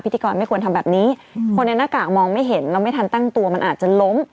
กรไม่ควรทำแบบนี้คนในหน้ากากมองไม่เห็นแล้วไม่ทันตั้งตัวมันอาจจะล้ม